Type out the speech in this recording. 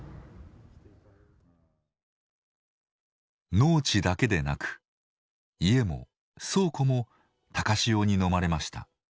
農地だけでなく家も倉庫も高潮にのまれました。